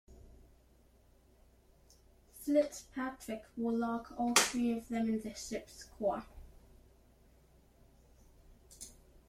Fitzpatrick will lock all three of them in the ship's core.